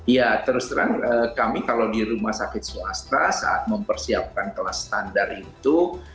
ya terus terang kami kalau di rumah sakit swasta saat mempersiapkan kelas standar itu